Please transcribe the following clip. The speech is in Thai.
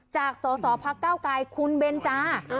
จากสสพักเก้าไกรคุณเบนจา